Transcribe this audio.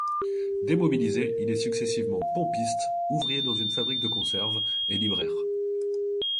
Démobilisé, il est successivement pompiste, ouvrier dans une fabrique de conserves et libraire.